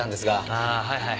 ああはいはい。